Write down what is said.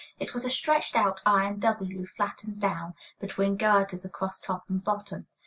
It was a stretched out iron W, flattened down between girders across top and bottom.